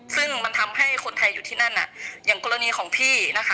ซึ่งมันทำให้คนไทยอยู่ที่นั่นอย่างกรณีของพี่นะคะ